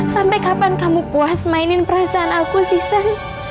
sampai kapan kamu puas mainin perasaan aku season